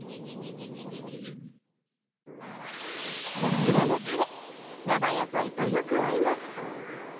こちらのたれ生野菜とよく合います。